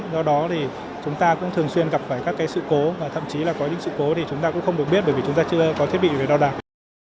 do đó chúng ta cũng thường xuyên gặp phải các sự cố thậm chí là có những sự cố chúng ta cũng không được biết bởi vì chúng ta chưa có thiết bị về đo đạt